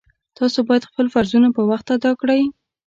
تاسو باید خپل فرضونه په وخت ادا کړئ